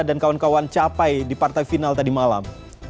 dan kawan kawan capai di partai final tadi malam